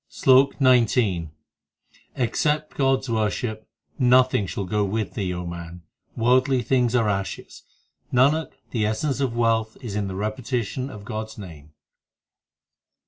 SLOK XIX Except God s worship nothing shall go with thee, man ; worldly things are ashes : Nanak, the essence of wealth is the repetition of God s name.